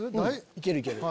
いけるいける。